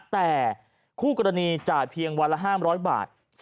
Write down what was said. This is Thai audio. แต่คู่กรณีจ่ายเพียงวันละ๕๐๐บาท